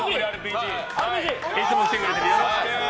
いつも来てくれてる。